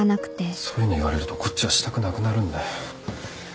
そういうの言われるとこっちはしたくなくなるんだよ。